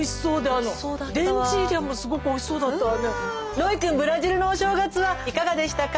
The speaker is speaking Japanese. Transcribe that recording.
ロイくんブラジルのお正月はいかがでしたか？